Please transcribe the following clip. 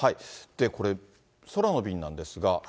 これ、空の便なんですが。